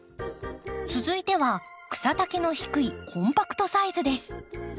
続いては草丈の低いコンパクトサイズです。